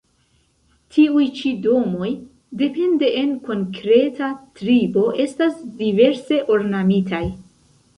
Tiuj ĉi domoj, depende en konkreta tribo, estas diverse ornamitaj.